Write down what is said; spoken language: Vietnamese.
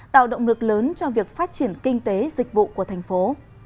tạo động lực lớn cho việc phát triển kinh tế dịch vụ của thành phố